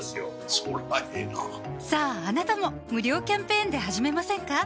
そりゃええなさぁあなたも無料キャンペーンで始めませんか？